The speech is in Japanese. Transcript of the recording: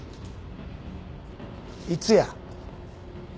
いつや？